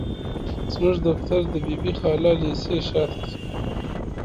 زموږ دفتر د بي بي خالا ليسي شاته دي.